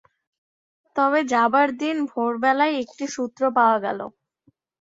তবে যাবার দিন ভোরবেলায় একটি সূত্র পাওয়া গেল।